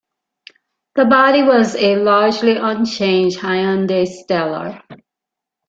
The body was a largely unchanged Hyundai Stellar.